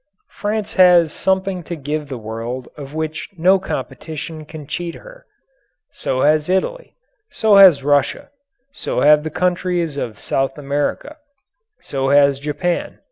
France has something to give the world of which no competition can cheat her. So has Italy. So has Russia. So have the countries of South America. So has Japan.